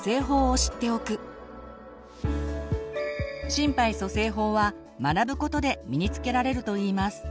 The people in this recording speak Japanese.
心肺蘇生法は学ぶことで身につけられるといいます。